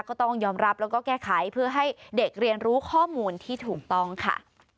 ก็ต้องยอมรับแล้วก็แก้ไขเพื่อให้เด็กเรียนรู้ข้อมูลที่ถูกต้องค่ะ